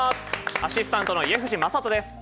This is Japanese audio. アシスタントの家藤正人です。